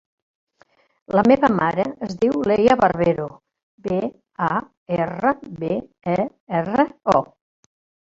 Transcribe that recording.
La meva mare es diu Leia Barbero: be, a, erra, be, e, erra, o.